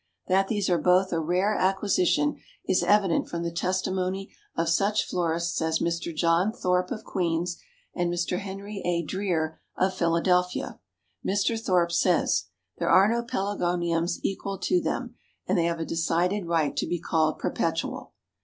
That these are both a rare acquisition is evident from the testimony of such florists as Mr. John Thorp of Queens, and Mr. Henry A. Dreer of Philadelphia. Mr. Thorp says, "There are no Pelargoniums equal to them and they have a decided right to be called perpetual."